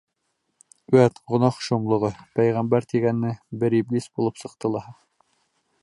Үәт, гонаһ шомлоғо, пәйғәмбәр тигәне бер иблис булып сыҡты лаһа.